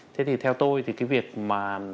thế thì theo tôi thì cái việc mà